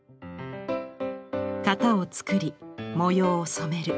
型を作り模様を染める。